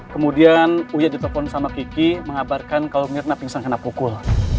kemudian uyat ditelepon sama kiki mengabarkan kalau mirna pingsan kena pukul